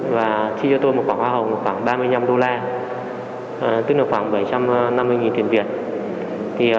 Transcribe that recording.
và khi cho tôi một quả hoa hồng khoảng ba mươi năm đô la tức là khoảng bảy trăm năm mươi tiền việt